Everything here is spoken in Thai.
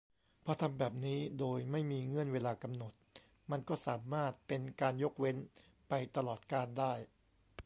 พอทำแบบนี้ โดยไม่มีเงื่อนเวลากำหนด มันก็สามารถเป็นการยกเว้นไปตลอดกาลได้